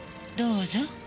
どうぞ。